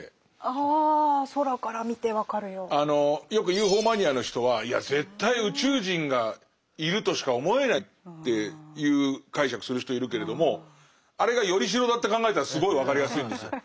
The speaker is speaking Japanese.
よくＵＦＯマニアの人はいや絶対宇宙人がいるとしか思えないっていう解釈する人いるけれどもあれが依代だって考えたらすごい分かりやすいんですよ。